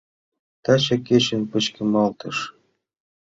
Таче кечын пычкемалтеш.